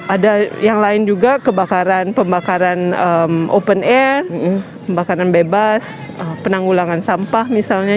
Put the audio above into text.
ada yang lain juga kebakaran pembakaran open air pembakaran bebas penanggulangan sampah misalnya